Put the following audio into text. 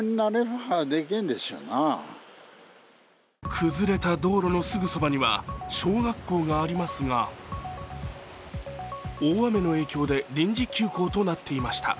崩れた道路のすぐそばには小学校がありますが大雨の影響で臨時休校となっていました。